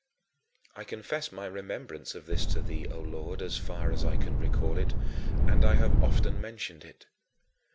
I confess my remembrance of this to thee, O Lord, as far as I can recall it and I have often mentioned it.